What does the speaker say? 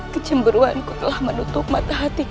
kecemburuanku telah menutup mata hatiku